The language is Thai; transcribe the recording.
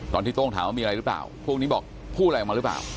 ตอนที่โต้งถามว่ามีอะไรหรือเปล่าพวกนี้บอกพูดอะไรออกมาหรือเปล่า